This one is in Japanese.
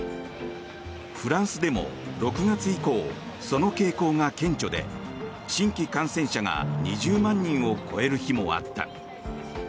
フランスでも６月以降その傾向が顕著で新規感染者が２０万人を超える日もあった。